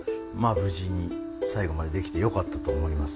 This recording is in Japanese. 無事に最後までできてよかったと思います。